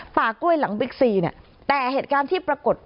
ป่ากล้วยหลังบิ๊กซีเนี่ยแต่เหตุการณ์ที่ปรากฏ